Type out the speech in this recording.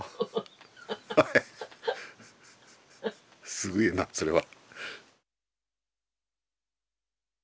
すげえなそれは。